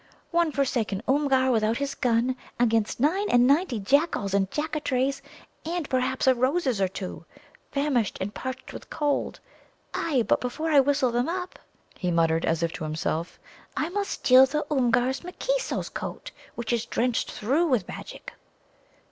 "One forsaken Oomgar without his gun against nine and ninety Jack Alls and Jaccatrays, and perhaps a Roses or two, famished and parched with cold. Ay, but before I whistle them up," he muttered, as if to himself, "I must steal the Oomgar's M'Keesso's coat, which is drenched through with magic."